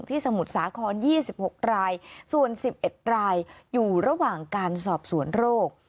สมุทรสาคร๒๖รายส่วน๑๑รายอยู่ระหว่างการสอบสวนโรค